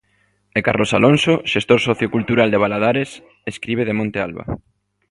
E Carlos Alonso, xestor sociocultural de Valadares, escribe de Monte Alba.